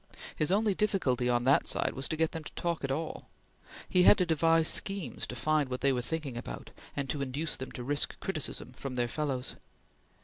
His only difficulty on that side was to get them to talk at all. He had to devise schemes to find what they were thinking about, and induce them to risk criticism from their fellows.